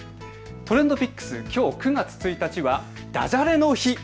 ＴｒｅｎｄＰｉｃｋｓ、きょう９月１日はだじゃれの日。